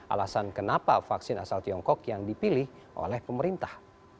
alasan kenapa vaksin asal tiongkok yang dipilih oleh pemerintah